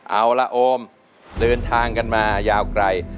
เอาละโอมเดินทางกันมายาวไกล